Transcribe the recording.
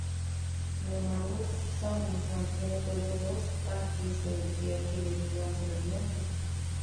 Sin embargo, Samus mantiene todos los tanques de energía que le dio anteriormente.